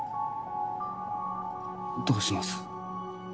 どうします？